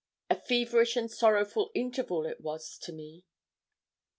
A feverish and sorrowful interval it was to me.